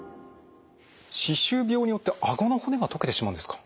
歯周病によってあごの骨が溶けてしまうんですか？